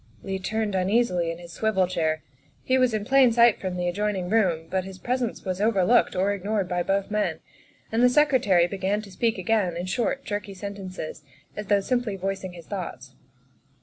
Leigh turned uneasily in his swivel chair. He was in plain sight from the adjoining room, but his presence was overlooked or ignored by both men, and the Secre tary began to speak again in short, jerky sentences, as though simply voicing his thoughts.